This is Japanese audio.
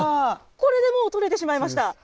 これでもう、採れてしまいました。